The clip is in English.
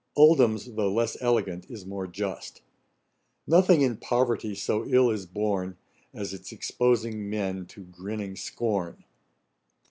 OLDHAM'S, though less elegant, is more just: 'Nothing in poverty so ill is borne, As its exposing men to grinning scorn.'